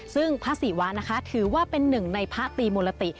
ซึ่งพระศิวะนะคะถือว่าเป็นหนึ่งในพระตีมุลติ